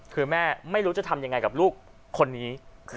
คือแม่ไม่รู้จะทำยังไงกับลูกคนนี้